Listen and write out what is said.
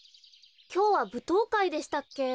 きょうはぶとうかいでしたっけ？